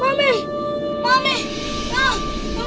mami mami bangun dong